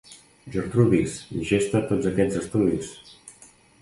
Gertrudis, llegeix-te tots aquests estudis.